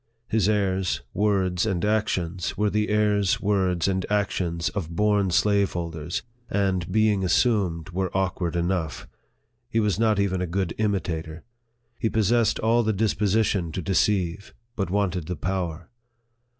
His airs, words, and actions, were the airs, words, and actions of born slaveholders, and, being assumed, were awkward enough. He was not even a good imitator. He possessed all the disposition to deceive, but wanted the power.